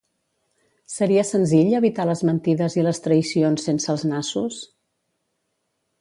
Seria senzill evitar les mentides i les traïcions sense els nassos?